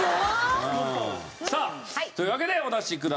さあというわけでお出しください。